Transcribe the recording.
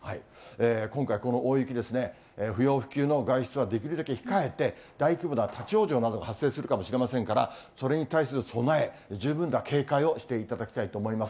今回この大雪ですね、不要不急の外出はできるだけ控えて、大規模な立往生などが発生するかもしれませんから、それに対する備え、十分な警戒をしていただきたいと思います。